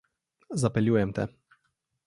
Zapeljujem te.